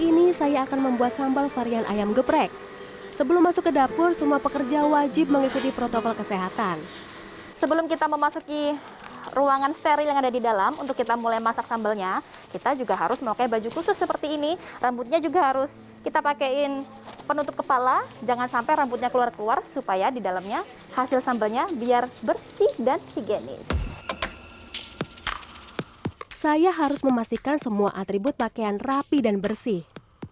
kali ini saya akan membuat sambal varian ayam geprek sebelum masuk ke dapur semua pekerja wajib mengikuti protokol kesehatan sebelum kita memasuki ruangan steril yang ada di dalam untuk kita mulai masak sambelnya kita juga harus memakai baju khusus seperti ini rambutnya juga harus kita pakaiin penutup kepala jangan sampai rambutnya keluar keluar supaya di dalamnya hasil sambelnya biar bersih dan higienis saya harus memastikan semua atribut pakaian rapi dan bersih